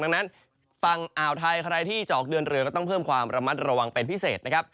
ดังนั้นฝั่งอ่าวไทยใครที่จะออกเดินเรือก็ต้องเพิ่มความระมัดระวังเป็นพิเศษนะครับ